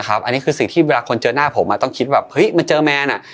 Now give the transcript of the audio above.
อันนี้คือสิ่งที่เวลาคนเจอหน้าผมต้องคิดแบบเฮ้ยมาเจอแมน